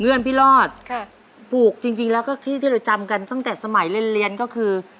เพื่อนพี่รอดค่ะปลูกจริงแล้วก็ที่ที่เราจำกันตั้งแต่สมัยเรียนเรียนก็คือ